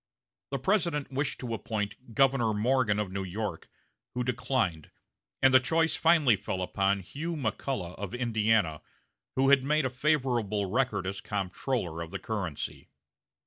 The President wished to appoint Governor Morgan of New York, who declined, and the choice finally fell upon Hugh McCulloch of Indiana, who had made a favorable record as comptroller of the currency.